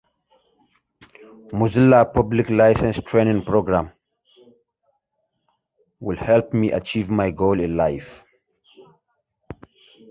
Maranello was also home to coachbuilding firm Carrozzeria Scaglietti, now owned by Ferrari.